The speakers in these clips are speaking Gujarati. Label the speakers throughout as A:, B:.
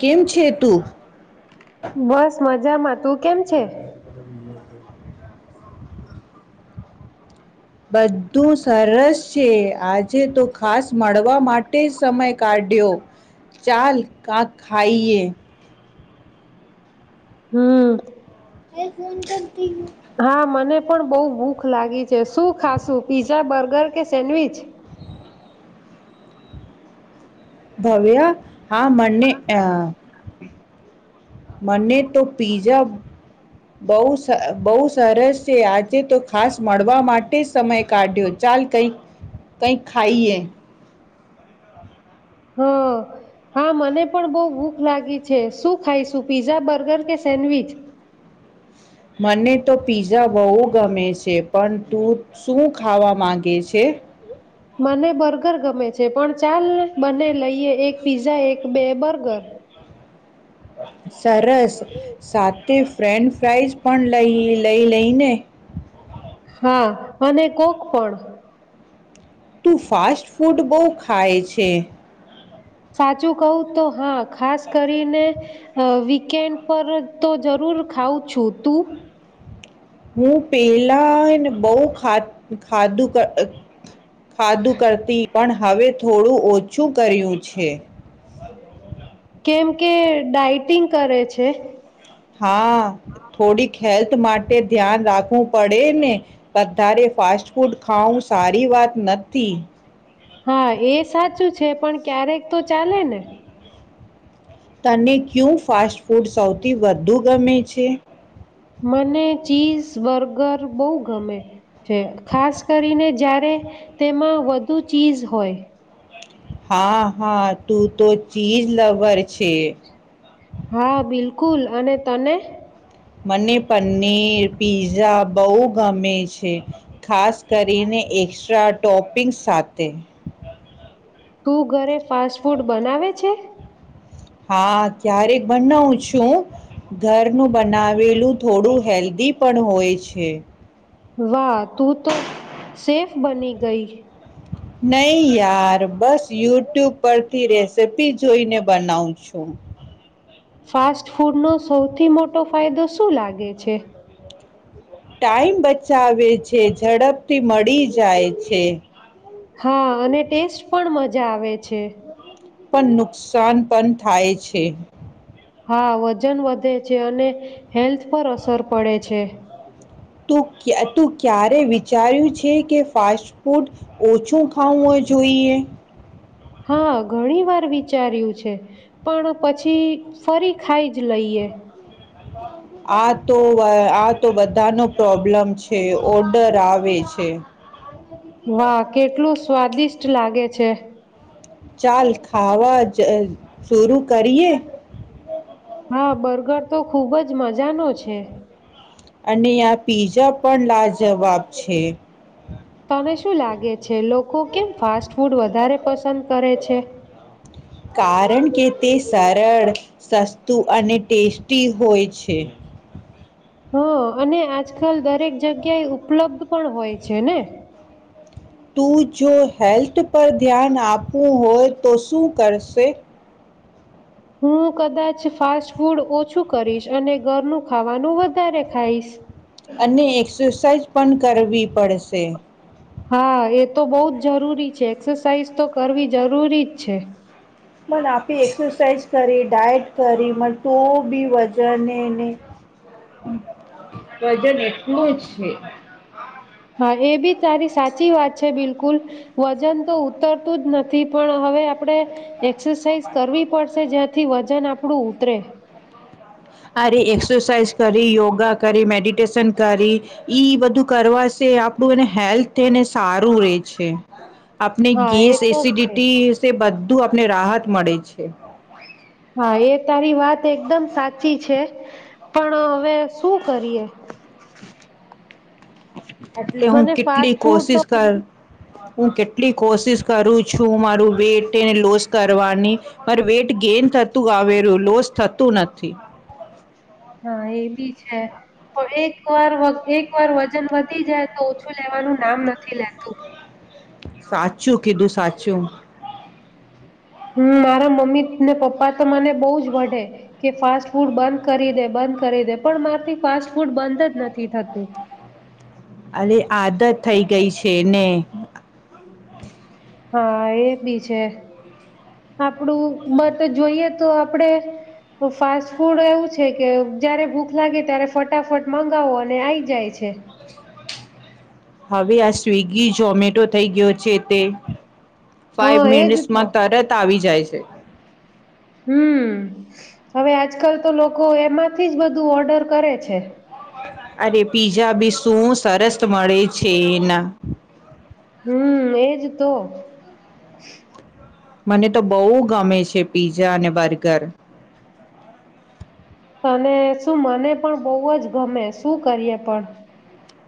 A: કેમ છે તું?
B: બસ મજામાં તું કેમ છે?
A: બધું સરસ છે આજે તો ખાસ મળવા માટે સમય કાઢ્યો ચાલ કાક ખાઈએ.
B: હમ.
A: હ ફોન કરતી.
B: હા મને પણ બહુ ભૂખ લાગી છે શું ખાશું પીઝા, બર્ગર કે સેન્ડવીચ?
A: ભવ્યા હા મને મને તો પીઝા બહ બહુ સરસ છે આજે તો ખાસ મળવા માટે જ સમય કાઢ્યો ચાલ કઈક કઈક ખાઈએ.
B: હ હા મને પણ બહ ભૂખ લાગી છે શું ખાઈશું પીઝા, બર્ગર કે સેન્ડવીચ?
A: મને તો પીઝા બહુ ગમે છે પણ તું શું ખાવા માંગે છે?
B: મને બર્ગર ગમે છે પણ ચાલ બને લઈએ એક પીઝા એક બે બર્ગર.
A: સરસ સાથે ફ્રેન્ચ ફાઇઝ પણ લઈ લઈને.
B: હા અને કોક પણ.
A: તું ફાસ્ટ ફૂડ બહુ ખાય છે.
B: સાચું કહું તો હા ખાસ કરીને વીકેન્ડ પર તો જરૂર ખઉં છું તું?
A: હું પેલા બહ ખા ખાધું ખાધું કરતી પણ હવે થોડું ઓછું કર્યું છે.
B: કેમ? કે ડાઇટિંગ કરે છે?
A: હા થોડીક હેલ્થ માટે ધ્યાન રાખવું પડે ને વધારે ફાસ્ટ ફૂડ ખાવું સારી વાત નથી.
B: હા એ સાચું છે પણ ક્યારેક તો ચાલે ને?
A: તને ક્યુ ફાસ્ટ ફૂડ સૌથી વધુ ગમે છે?
B: મને ચીઝ બર્ગર બહુ ગમે છે ખાસ કરીને જ્યાં રે તેમાં વધુ ચીઝ હોય.
A: હા હા તું તો ચીજ લવર છે.
B: હા બિલકુલ અને તને?
A: મને પનીર પીઝા બહુ ગમે છે ખાસ કરીને એક્સ્ટ્રા ટોપિંગ સાથે.
B: તું ઘરે ફાસ્ટ ફૂડ બનાવે છે?
A: હા ક્યારેક બનાવું છું ઘરનું બનાવેલું થોડું હેલ્ધી પણ હોય છે.
B: વાહ તું તો સેફ બની ગઈ.
A: નહીં યાર બસ યુટ્યુબ પરથી રેસીપી જોઈને બનાવું છું.
B: ફાસ્ટ ફૂડનો સૌથી મોટો ફાયદો શું લાગે છે?
A: ટાઈમ બચાવે છે ઝડપથી મળી જાય છે.
B: હા અને ટેસ્ટ પણ મજા આવે છે.
A: પણ નુકસાન પણ થાય છે.
B: હા વજન વધે છે અને હેલ્થ પર અસર પડે છે.
A: તું ક્યાં તું ક્યારે વિચાર્યું છે કે ફાસ્ટ ફૂડ ઓછું ખાવું જોઈએ.
B: હા ઘણી વાર વિચાર્યું છે પણ પછી ફરી ખાઈ જ લઈએ.
A: આ તો આ તો બધાનો પ્રોબ્લેમ છે ઓર્ડર આવે છે.
B: વાહ કેટલું સ્વાદિષ્ટ લાગે છે.
A: ચાલ ખાવા જ શરુ કરીએ.
B: હા બર્ગર તો ખુબ જ મજાનો છે.
A: અને આ પીઝા પણ લાજવાબ છે.
B: તને શું લાગે છે લોકો કેમ ફાસ્ટ ફૂડ વધારે પસંદ કરે છે.
A: કારણ કે તે સરળ, સસ્તું અને ટેસ્ટી હોય છે.
B: હ અને આજકાલ દરેક જગ્યા એ ઉપલબ્ધ પણ હોય છે ને.
A: તું જો હેલ્થ પર ધ્યાન આપવું હોય તો શું કરશે?
B: હું કદાચ ફાસ્ટ ફૂડ ઓછું કરીશ અને ઘરનું ખાવાનું વધારે ખાઈશ.
A: અને એક્સરસાઇઝ પણન કરવી પડશે.
B: હા એ તો બહુ જ જરૂરી છે એક્સરસાઇઝ તો કરવી જરૂરી જ છે.
A: મ આપી એક્સરસાઇઝ કરી ડાયટ કરી મને તો બી વજનને, વજન એટલું જ છે.
B: હા એ બી તારી સાચી વાત છે બિલકુલ, વજન તો ઉતરતું જ નથી પણ હવે આપડે. એક્સરસાઇઝ કરવી પડશે જ્યાંથી વજન આપડું ઉતરે.
A: આરે એક્સરસાાઈઝ કરી યોગા કરી મેડિટેશન કરી, ઈ બધું કરવાશે આપણું એને હેલ્થને સારું રે છે. આપણે
B: હા એ
A: ગેસ
B: તો છે
A: એસિડિટી સ બ બધું આપને રાહત મળે છે.
B: હા એ તારી વાત એકદમ સાચી છે, પણ હવે શું કરીએ.
A: એટલે હું
B: મને
A: કેટલી
B: ફાસ્ટ ફૂડ
A: કોશિશ
B: તો
A: કર હું કેટલી કોશિશ કરું છું મારું વેઇટ એને લોસ કરવાની, મારે વેઇટ ગેઇન થતું આવેલું લોસ થતું નથી.
B: હા એ બી છે, પણ એક વાર એક વાર વજન વધી જાય તો ઓછું લેવાનું નામ નથી લેતું.
A: સાચું કીધું સાચું.
B: હમ્મ. મારા મમ્મી ને પપ્પા તો મને બહુ જ વેઢે, કે ફાસ્ટ ફૂડ બંધ કરી દે, બંધ કરી દે, પણ મારથી ફાસ્ટ ફૂડ બંધ જ નથી થતું.
A: અરે આદત થઈ ગઈ છે ને.
B: હા એ બી છે. આપડું મત જોઈએ તો આપડે ફાસ્ટ ફૂડ એવું છે કે જયારે ભૂખ લાગે ત્યારે ફટાફટ મંગાવો અને આઈ જાય છે.
A: હવે આ સ્વિગી જોમેટો થઈ ગયો છે તે ફાઈવ
B: હા એજ તો
A: મિનિટ્સમાં તરત આવી જાય છે.
B: હમ્મ. હવે આજકાલ તો લોકો એમાંથી જ બધું ઓર્ડર કરે છે.
A: અરે પીઝા બી શું સરસ મળે છે એના.
B: હમ્મ એજ તો.
A: મને તો બહુ ગમે છે પીઝા અને બર્ગર.
B: તને શું મને પણ બહુ જ ગમે. શું કરીએ પણ.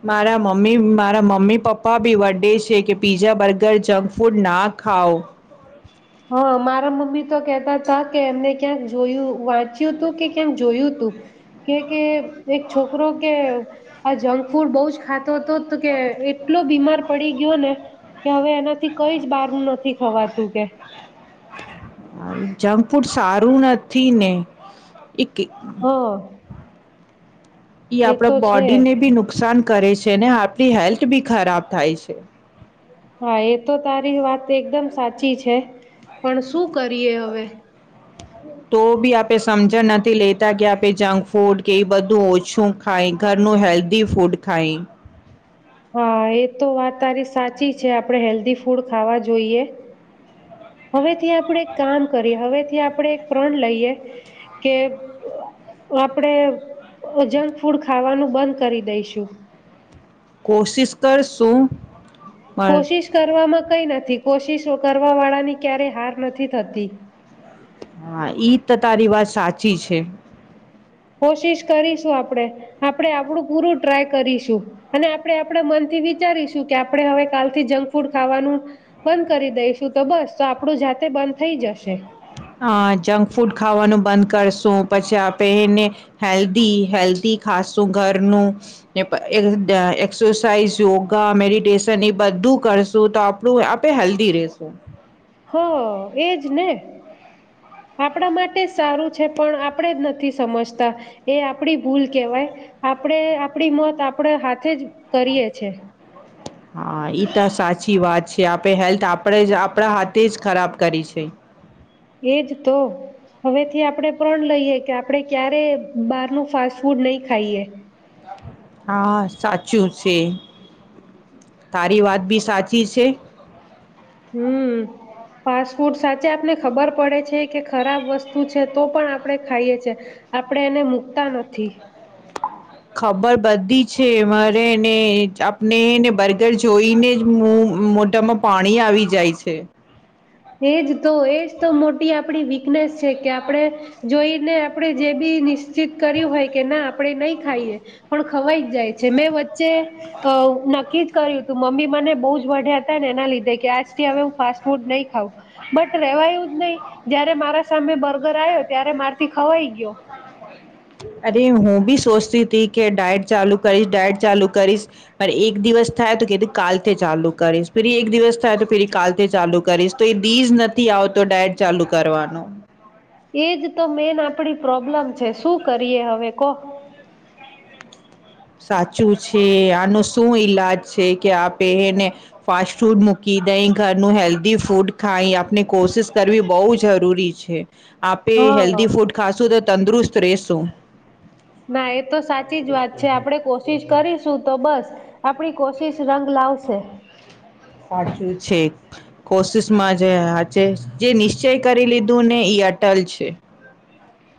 A: મારા મમ્મી મારા મમ્મી પપ્પા ભી વડે છે કે પીઝા બર્ગર જંક ફૂડ ના ખાવ.
B: હા. મારા મમ્મી તો કેહેતા તા કે એમને ક્યાંક જોયું, વાંચ્યું તું કે ક્યાંક જોયું તું, કે કે એક છોકરો કે આ જંક ફૂડ બઉ જ ખાતો તો કે એટલો બીમાર પડી ગયો ને કે હવે એનાથી કઈ જ બહાર નથી ખવાતું કે.
A: હા જંક ફૂડ સારું નથી ને. એ કે-
B: હા.
A: ઈ
B: એ
A: આપણા
B: તો છે
A: બોડી ને ભી નુકસાન કરે છે, ને આપણી હેલ્થ બી ખરાબ થાય છે.
B: હા એ તો તારી વાત એકદમ સાચી છે, પણ શું કરીએ હવે?
A: તો બી આપે સમજણ નથી લેતા કે આપે જંક ફૂડ કે એ બધું ઓછું ખાય, ઘરનું હેલ્ધી ફૂડ ખાય.
B: હા એ તો વાત તારી સાચી છે. આપણે હેલ્ધી ફૂડ ખાવા જોઈએ. હવેથી આપણેે એક કામ કરીએ હવેથી આપણે એક પ્રણ લઈએ, કે આપણેે જંક ફૂડ ખાવાનું બંધ કરી દઈશું.
A: કોશિશ કર શું.
B: કોશિશ કરવામાં કઈ નથી. કોશિશ કરવા વાળાની ક્યારેય હાર નથી થતી.
A: હા ઈ તો તારી વાત સાચી છે.
B: કોશિશ કરીશું આપણે, આપણે આપણું પૂરું ટ્રાય કરીશું, અને આપણે આપણા મનથી વિચારીશું કે આપણે હવે કાલથી જંક ફૂડ ખાવાનું, બંધ કરી દઈશું તો બસ તો આપણું જાતે બંધ થઈ જશે.
A: અ જંક ફૂડ ખાવાનું બંધ કરશું. પછી આપે એને, હેલ્ધી હેલ્ધી ખાશું ઘરનું, ને એક્સરસાઇઝ યોગા મેડિટેશન એ બધું કરશું તો આપણું આપે હેલ્ધી રશું.
B: હ એજ ને, આપણા માટે સારું છે પણ આપણેે જ નથી સમજતા, એ આપણી ભૂલ કેહેવાય, આપણે આપણી મત આપણા હાથે જ કરીએ છે.
A: હા તો સાચી વાત છે. આપણે હેલ્થ આપણે જ આપણા હાથે જ ખરાબ કરી છે.
B: એજ તો, હવેથી આપણે પણણ લઈએ કે આપણે ક્યારે બારનું ફાસ્ટ ફૂડ નહી ખાઈએ.
A: હા સાચું. છે. તારી વાત ભી સાચી છે.
B: હમ, ફાસ્ટ ફૂડ સાચા આપને ખબર પડે છે કે ખરાબ વસ્તુ છે તો પણ આપણે ખાઈએ છે, આપડે એને મૂકતા નથી.
A: ખબર બધી છે મારે ને આપનેને બર્ગર જોઈને જ મોઢામાં પાણી આવી જાય છે.
B: એજ તો એજ તો મોટી આપડી વીકનેસ છે કે આપણે, જોઈને આપણે જે બી કર્યું હોય કે ના આપણે નહી ખાઈએ પણ ખવાઈ જાય છે, મે જે અવ નક્કી કર્યું હતું મમ્મી મને બહું જ વઢ્યા હતા ને એના લીધે કે આજથી હવે હું ફાસ્ટ ફૂડ નહી ખાવું બટ રેવાયું જ નહી જયારે મારા સામે બર્ગર આવ્યો ત્યારે મારથી ખવાઈ ગયો.
A: અરે હું ભી સોચતી હતીથી કે ડાયટ ચાલુ કરીશ, ડાયટ ચાલુ કરીશ. એક દિવસ થાય તો કીધું કાલથી ચાલુ કરીશ ફરી એક દિવસ થાય તો ફરી કાલથી ચાલુ કરીશ તો એ દીઝ નથી આવતો ડાયટ ચાલુ કરવાનો.
B: એજ તો મેન આપડી પ્રોબ્લમ છે શું કરીએ હવે કો?
A: સાચું છે આનું શું એ ઇલાજ છે કે આપે એને ફાસ્ટ ફૂડ મૂકી દઈ ઘરનું હેલ્ધી ફૂડ ખાય આપણે કોશિશ કરવી બહુ જરૂરી છે. આપે
B: હા
A: હેલ્ધી ફૂડ ખાશું તો તંદુરુસ્ત રહેશો.
B: ના એ તો સાચી જ વાત છે આપણેે કોશિશ કરીશું તો બસ આપણી કોશિશ રંગ લાવશે.
A: સાચું છે કોશિશ માં જે હાચે જે નિશ્ચય કરી લીધું ને એ અટલ છે.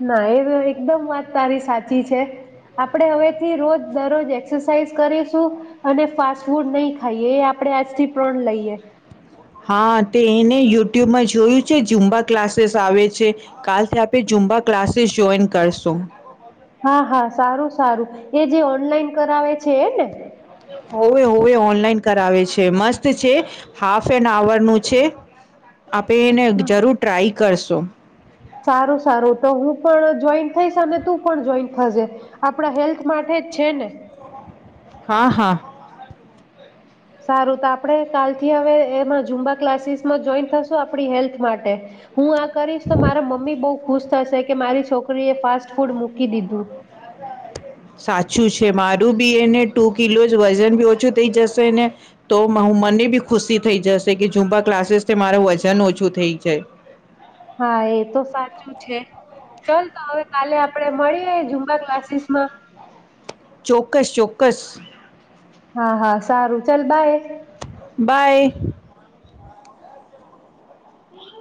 B: ના એ એકદમ વાત તારી સાચી છે આપણે હવેથી રોજ દરરોજ એક્સરસાઇઝ કરીશું અને ફાસ્ટ ફૂડ નહી ખાઈએ એ આપણે આજથી પ્રણ લઈએ.
A: હા, તે એને યુટ્યુબમાં જોયું છે ઝુંમબા ક્લાસીસ આવે છે. કાલથી આપણે ઝુંમબા ક્લાસીસ જોઈન કરશુ.
B: હા, હા. સારું સારું એ જે ઓનલાઈન કરાવે છે એ ને?
A: હોવે હોવે ઓનલાઈન કરાવે છે. મસ્ત છે હાફ એન અવરનું છે. આપે એને જરૂર ટ્રાય કરશું.
B: સારું-સારું, તો હું પણ જોઈન થઇશ અને તું પણ જોઈન થજે, આપણા હેલ્થ માટે જ છે ને.
A: હા, હા.
B: સારું, તો આપણે કાલથી હવે એમાં ઝુમ્બા ક્લાસીસમાં જોઈન થશું આપડી હેલ્થ માટે. હું આ કરીશ તો મારા મમ્મી બઉ ખુશ થશે કે મારી છોકરી એ ફાસ્ટ ફૂડ મૂકી દીધું.
A: સાચું છે. મારું બી એને ટુ કિલો જ વજન બી ઓછું થઇ જશે ને, તો મ અહ મને બી ખુશી થઈ જશે કે ઝુમ્બા ક્લાસીસ મારું વજન ઓછું થઇ જાય.
B: હા એ તો સાચું છે. ચાલ તો હવે કાલે આપડે મળીએ ઝુમ્બા ક્લાસીસમાં.
A: ચોક્કસ-ચોક્કસ.
B: હા-હા સારું ચલ બાય.
A: બાય.